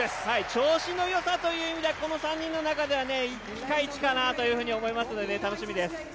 調子のよさという意味ではこの３人の中ではピカイチかなと思いますので楽しみです。